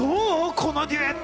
このデュエット。